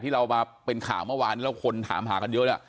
เรามาเป็นข่าวเมื่อวานแล้วคนถามหากันเยอะนะ